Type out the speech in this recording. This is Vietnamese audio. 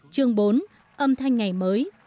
chương bốn âm thanh ngày mới